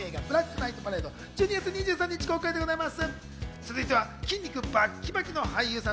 映画『ブラックナイトパレード』は１２月２３日公開です。